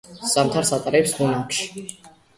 ზამთარს ატარებს ბუნაგში.